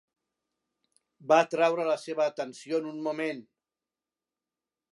Va atraure la seva atenció en un moment.